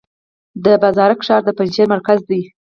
د بازارک ښار د پنجشیر مرکز دی